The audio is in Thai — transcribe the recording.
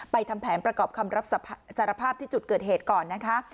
ทำแผนประกอบคำรับสารภาพที่จุดเกิดเหตุก่อนนะคะ